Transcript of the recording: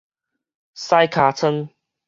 駛尻川